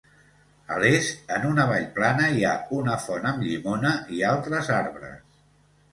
A l'est, en una vall plana, hi ha una font amb llimona i altres arbres.